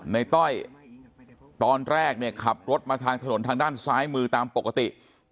ต้อยตอนแรกเนี่ยขับรถมาทางถนนทางด้านซ้ายมือตามปกติ